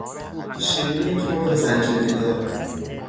شیرینی ترد و زنجبیل دار